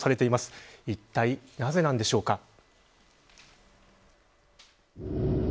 いったい、なぜなんでしょうか。